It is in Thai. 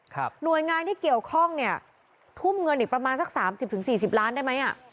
หน่วยงานที่เกี่ยวข้องทุ่มเงินอีกประมาณสัก๓๐๔๐ล้านได้ไหม